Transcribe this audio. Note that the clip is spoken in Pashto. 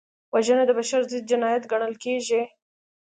وژنه د بشر ضد جنایت ګڼل کېږي